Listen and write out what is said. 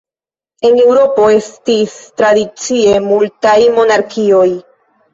En Eŭropo estis tradicie multaj monarkioj.